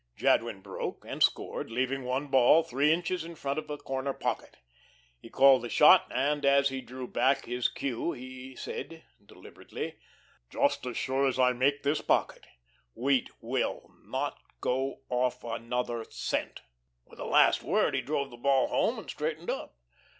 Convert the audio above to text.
Jadwin broke and scored, leaving one ball three inches in front of a corner pocket. He called the shot, and as he drew back his cue he said, deliberately: "Just as sure as I make this pocket wheat will not go off another cent." With the last word he drove the ball home and straightened up.